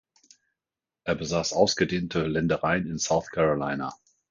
Er besaß ausgedehnte Ländereien in South Carolina.